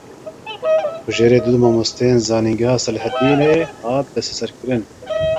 Kujerê du mamosteyên zanîngeha Selahedînê hat desteserkirin.